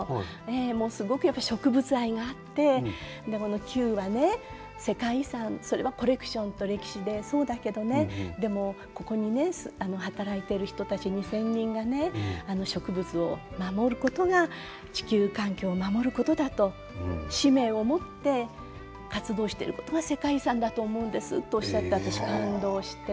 すごく植物愛があってキューは世界遺産コレクションと歴史でそうだけどここに働いている人たちの２０００人が植物を守ることが地球環境を守ることだと使命を持って活動していることが世界遺産だと思うんですとおっしゃって私、感動して。